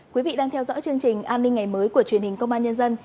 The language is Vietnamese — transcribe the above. quý vị đang theo dõi chương trình an ninh ngày mới của truyền hình công an nhân dân